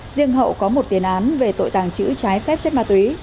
riêng hậu có một tiền án về tội tàng trữ trái phép chất ma túy